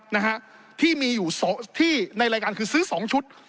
นะฮะที่มีอยู่สองที่ในรายการคือซื้อสองชุด